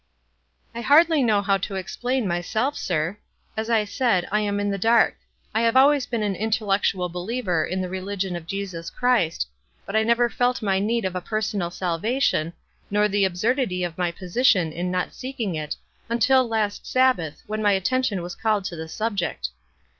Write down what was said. "I hardly know how to explain myself, sir. As I said, I am in the dark. I have always been an intellectual believer in the religion of Jesus Christ ; but I never felt my need of a personal 202 WISE AND OTHERWISE. salvation, nor the absurdity of my position in not seeking it, until last Sabbath, when my at tention was called to the subject."